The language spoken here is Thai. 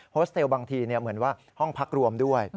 โสเตลบางทีเหมือนว่าห้องพักรวมด้วย